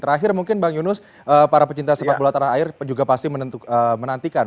terakhir mungkin bang yunus para pecinta sepak bola tanah air juga pasti menantikan